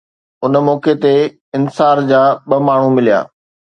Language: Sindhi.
ان موقعي تي انصار جا ٻه ماڻهو مليا